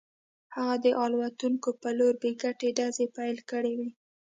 هغه د الوتکو په لور بې ګټې ډزې پیل کړې وې